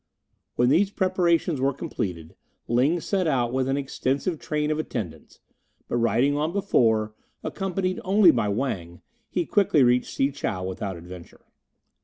When these preparations were completed, Ling set out with an extensive train of attendants; but riding on before, accompanied only by Wang, he quickly reached Si chow without adventure.